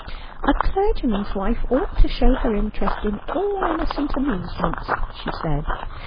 ' A clergyman's wife ought to show her interest in all inno cent amusements,' she said.